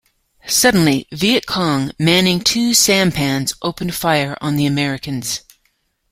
Suddenly, Viet Cong manning two sampans opened fire on the Americans.